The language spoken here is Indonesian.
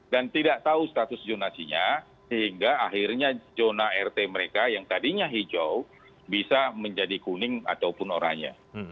dan tidak tahu status zonasinya sehingga akhirnya zona rt mereka yang tadinya hijau bisa menjadi kuning ataupun oranya